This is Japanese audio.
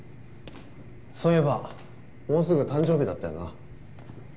そういえばもうすぐ誕生日だったよな。